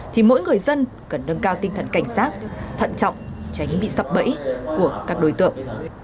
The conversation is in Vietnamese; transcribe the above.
thì mỗi người dân cần nâng cao tinh thần cảnh giác thận trọng tránh bị sập bẫy của các đối tượng